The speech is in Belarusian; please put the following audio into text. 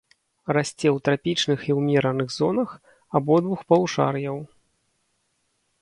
Расце ў трапічных і ўмераных зонах абодвух паўшар'яў.